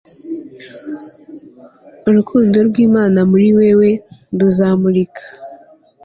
urukundo rw'imana muri wewe ruzamurika